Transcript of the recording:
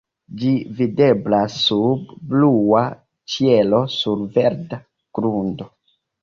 Ĝi videblas sub blua ĉielo sur verda grundo.